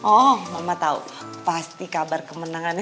oh mama tahu pasti kabar kemenangannya